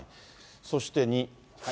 そして２。